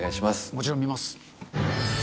もちろん見ます。